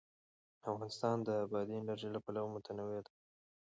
افغانستان د بادي انرژي له پلوه متنوع دی.